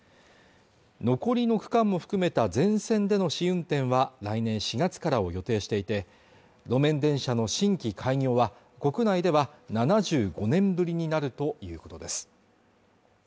残りの区間も含めた全線での試運転は来年４月からを予定していて路面電車の新規開業は国内では７５年ぶりになるということです